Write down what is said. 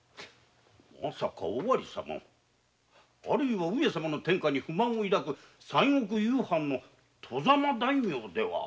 まさか尾張様あるいは上様の天下に不満を抱く西国の外様大名では？